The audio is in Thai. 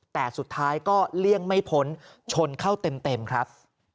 แต่สุดท้ายก็เลี่ยงไม่พ้นชนเข้าเต็มครับ